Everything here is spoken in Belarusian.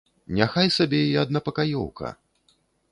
Няхай сабе і аднапакаёўка.